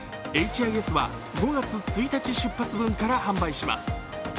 ＨＩＳは５月１日出発分から販売します